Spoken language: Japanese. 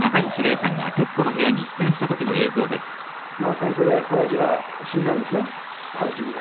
「戦争で親父が死んじゃうんですねハルビンで」